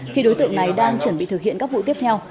khi đối tượng này đang chuẩn bị thực hiện các vụ tiếp theo